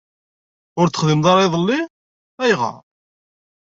Ur texdimeḍ ara iḍelli. Ayɣer?